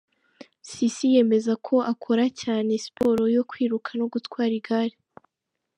Sissi yemeza ko akora cyane siporo yo kwiruka no gutwara igare.